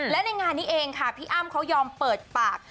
และในงานนี้เองค่ะพี่อ้ำเขายอมเปิดปาก